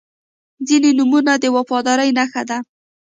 • ځینې نومونه د وفادارۍ نښه ده.